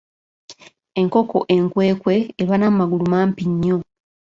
Enkoko enkwekwe eba n'amagulu mampi nnyo.